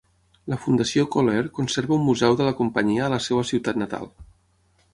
La Fundació CallAir conserva un museu de la companyia a la seva ciutat natal.